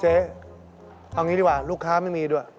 เจ๊เอาอย่างนี้ดีกว่าลูกค้าไม่มีด้วย